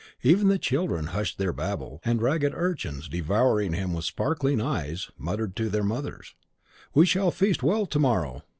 Even the children hushed their babble, and ragged urchins, devouring him with sparkling eyes, muttered to their mothers; "We shall feast well to morrow!"